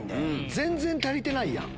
全然足りてないやん。